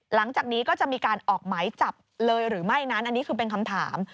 หลังจากนี้ก็จะมีการออกหมายจับเลยหรือไม่นั้นอันนี้คือเป็นคำถาม